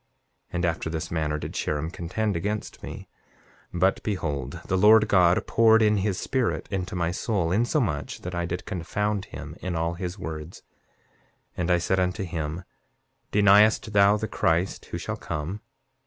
And after this manner did Sherem contend against me. 7:8 But behold, the Lord God poured in his Spirit into my soul, insomuch that I did confound him in all his words. 7:9 And I said unto him: Deniest thou the Christ who shall come?